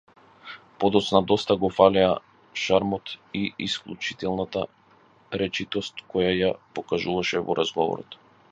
Подоцна доста го фалеа шармот и исклучителната речитост која ја покажуваше во разговорот.